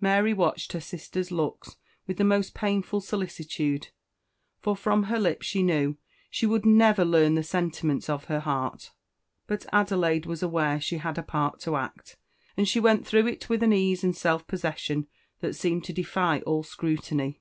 Mary watched her sister's looks with the most painful solicitude; for from her lips she knew she never would learn the sentiments of her heart. But Adelaide was aware she had a part to act, and she went through it with an ease and self possession that seemed to defy all scrutiny.